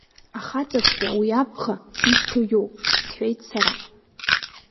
Ахаҵаҵәҟьа уи абӷа изҭо иоуп, — сҳәеит сара.